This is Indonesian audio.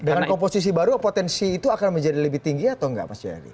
dengan komposisi baru potensi itu akan menjadi lebih tinggi atau enggak mas jayadi